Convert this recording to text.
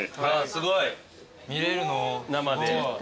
すごい。見れるの？